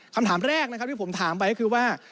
คำถามแรกนะครับที่ผมถามไปก็คือว่า